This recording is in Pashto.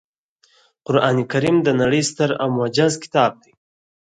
قرانکریم د نړۍ ستر او معجز کتاب دی